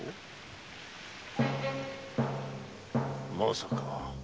まさか。